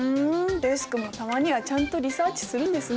デスクもたまにはちゃんとリサーチするんですね！